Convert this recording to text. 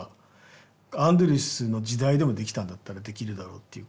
アンドリュースの時代でもできたんだったらできるだろうっていうか。